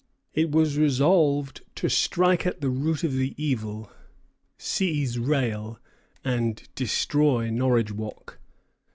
It was resolved to strike at the root of the evil, seize Rale, and destroy Norridgewock.